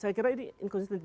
saya kira ini inkonsistensi